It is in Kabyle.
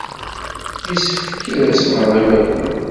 Yessefk ad as-ɣreɣ i baba.